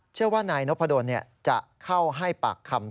เชื่อว่านายนพดลจะเข้าให้ปากคำ